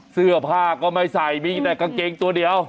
เสื้อผ้าก็ไม่ใส่มีแต่กางเกงตัวเดียว